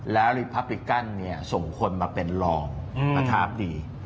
แล้วรีพับริกันส่งคนมาเป็นรองประทับดี